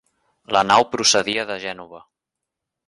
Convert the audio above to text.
La nau procedia de Gènova.